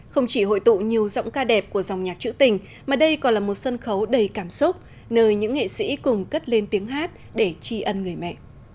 không chỉ hội tụ nhiều giọng ca đẹp của dòng nhạc trữ tình mà đây còn là một sân khấu đầy cảm xúc nơi những nghệ sĩ cùng cất lên tiếng hát để tri ân người mẹ